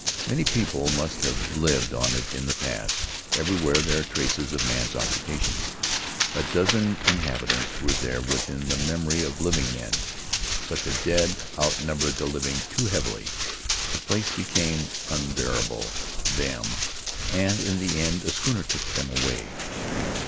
Many people must have lived on it in the past; everywhere there are traces of man's occupation. A dozen inhabitants were there within the memory of living men, but the dead out numbered the living too heavily — the place became unbearable to them, and in the end a schooner took them away.